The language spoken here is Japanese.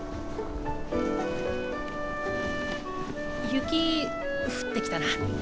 雪降ってきたな。